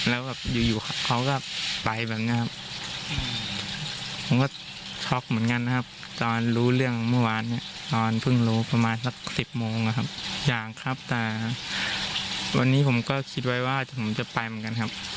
อ่ะไปรถน้ำศพอะไรแบบนี้ครับ